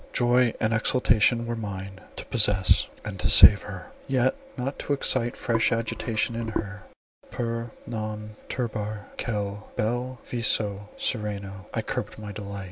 Joy and exultation, were mine, to possess, and to save her. Yet not to excite fresh agitation in her, "per non turbar quel bel viso sereno," I curbed my delight.